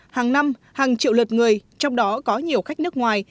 hàng năm hàng triệu lượt người trong đó có nhiều khách nước ngoài